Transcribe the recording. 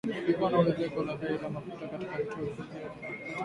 Kulikuwa na ongezeko la bei ya mafuta katika vituo vya kuuzia katika